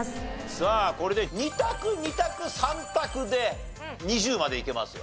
さあこれで２択２択３択で２０までいけますよ。